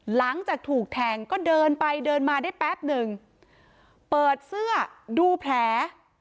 หลังจากถูกแทงก็เดินไปเดินมาได้แป๊บหนึ่งเปิดเสื้อดูแผล